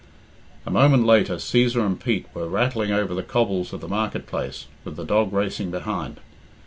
A moment later Cæsar and Pete were rattling over the cobbles of the market place, with the dog racing behind.